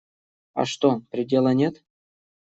А что, предела нет?